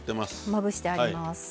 まぶしてあります。